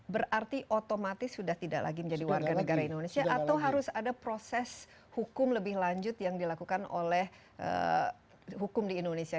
berarti otomatis sudah tidak lagi menjadi warga negara indonesia atau harus ada proses hukum lebih lanjut yang dilakukan oleh hukum di indonesia